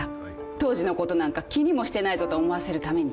当時のことなんか気にもしてないぞと思わせるために。